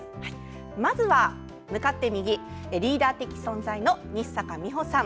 まずは、向かって右リーダー的存在の日坂美穂さん。